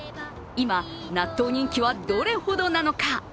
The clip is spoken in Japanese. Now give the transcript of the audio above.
今、納豆人気はどれほどなのか？